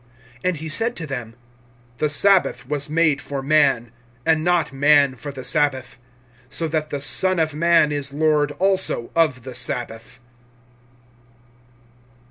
(27)And he said to them: The sabbath was made for man, and not man for the sabbath. (28)So that the Son of man is Lord also of the sabbath.